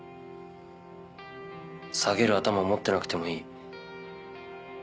下げる頭持ってなくてもいい。